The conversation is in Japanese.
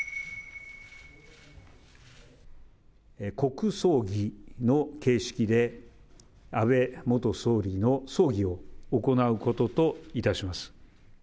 国葬儀の形式で、安倍元総理の葬儀を行うことといたします。